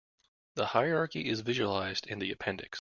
The hierarchy is visualized in the appendix.